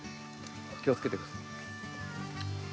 気をつけてください。